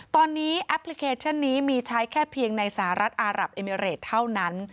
ตอนนี้แอปพลิเคชันนี้มีใช้แค่เพียงในสหรัฐอารับเอมิเรตเท่านั้น